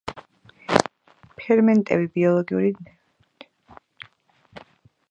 ფერმენტები ბიოლოგიური ნივთიერებებია, რომლებიც ორგანიზმში მიმდინარე პროცესებს აჩქარებს.